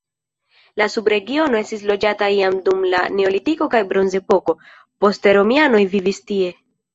La subregiono estis loĝata jam dum la neolitiko kaj bronzepoko, poste romianoj vivis tie.